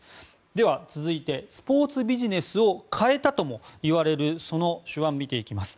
では続いて、スポーツビジネスを変えたともいわれるその手腕を見ていきます。